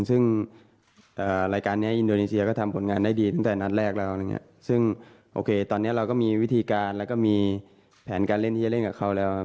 ซึ่งรายการนี้อินโดนีเซียก็ทำผลงานได้ดีตั้งแต่นัดแรกแล้วซึ่งโอเคตอนนี้เราก็มีวิธีการแล้วก็มีแผนการเล่นที่จะเล่นกับเขาแล้ว